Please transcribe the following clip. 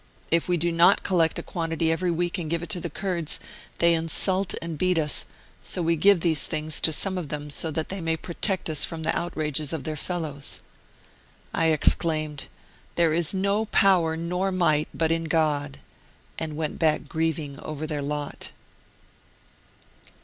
If we do not collect a quantity every week and give it to the Kurds, they insult and beat us, so we give these things to some of them so that they may protect us from the outrages of their fellows." I exclaimed, " There is no power nor might but in God," and went back grieving over their lot.